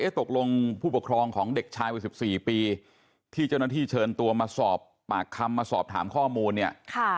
ตกลงผู้ปกครองของเด็กชายวัย๑๔ปีที่เจ้าหน้าที่เชิญตัวมาสอบปากคำมาสอบถามข้อมูลเนี่ย